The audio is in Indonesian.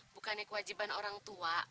bukannya kewajiban orang tua